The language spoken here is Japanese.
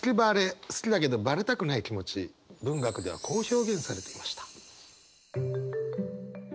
好きだけどバレたくない気持ち文学ではこう表現されていました。